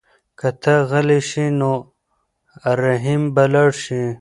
که ته غلی شې نو رحیم به لاړ شي.